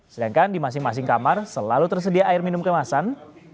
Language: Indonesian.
sedangkan di masing masing kamar selalu tersedia air minum kemasan